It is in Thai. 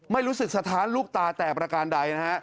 ไม่รู้สึกสะท้านลูกตาแต่ประการใดนะฮะ